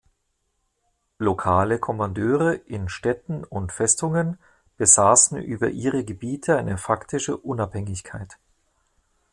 Lokale Kommandeure in Städten und Festungen besaßen über ihre Gebiete eine faktische Unabhängigkeit.